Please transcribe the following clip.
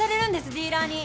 ディーラーに。